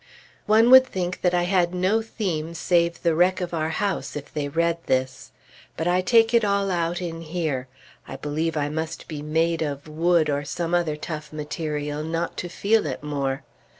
One would think that I had no theme save the wreck of our house, if they read this. But I take it all out in here. I believe I must be made of wood, or some other tough material, not to feel it more.